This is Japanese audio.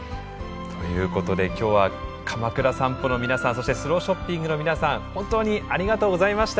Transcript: ということで今日はかまくら散歩の皆さんそしてスローショッピングの皆さん本当にありがとうございました。